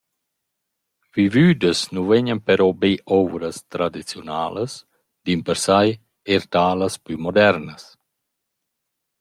Vivüdas nu vegnan però be ouvras tradiziunalas dimpersai eir talas plü modernas.